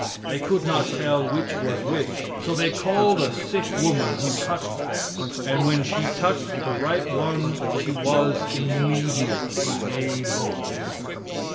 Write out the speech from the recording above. They could not tell which was which, so they called a sick woman who touched them, and when she touched the right one she was immediately made whole.